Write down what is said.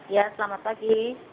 ya selamat pagi